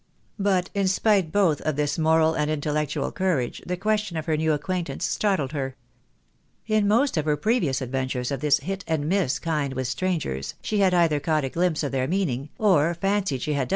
But in spite both of this moral and intellectual courage, the question of her new acquaintance startled her. In most of her previous adventures of this hit and miss kind with strangers, she Lad either caught a glimpse of their meaning, or fancied she had GENTS NOT INCLUDED.